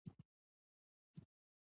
د ماشومانو خوشحاله کول ثواب لري.